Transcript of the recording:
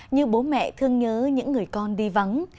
như bố mẹ thương nhớ những người con đi vắng